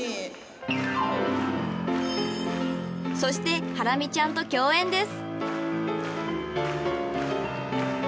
［そしてハラミちゃんと共演です］